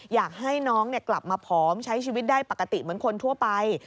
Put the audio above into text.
อยากให้น้องกลับมาผอมใช้ชีวิตได้ปกติเหมือนคนทั่วไป